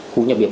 khu nhà bếp